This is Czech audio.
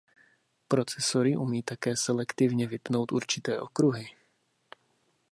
Procesory umí také selektivně vypnout určité okruhy.